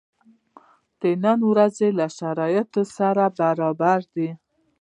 د نني ورځی له شرایطو سره برابره ده.